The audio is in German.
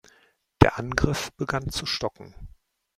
Der Angriff begann zu stocken.